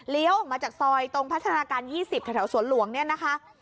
ออกมาจากซอยตรงพัฒนาการ๒๐แถวสวนหลวงเนี่ยนะคะ